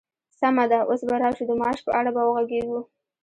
سمه ده، اوس به راشو د معاش په اړه به وغږيږو!